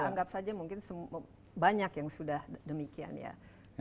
kita anggap saja mungkin banyak yang sudah demikian